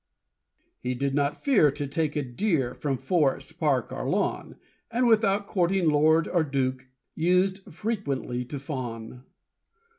He did not fear to take a deer From forest, park, or lawn; And without courting lord or duke, Used frequently to fawn.